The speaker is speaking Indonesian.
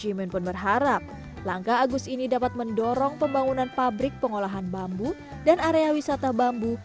jimin pun berharap langkah agus ini dapat mendorong pembangunan pabrik pengolahan bambu dan area wisata bambu